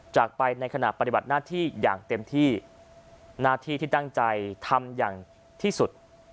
จากไปในขณะปฏิบัติหน้าที่อย่างเต็มที่หน้าที่ที่ตั้งใจทำอย่างที่สุด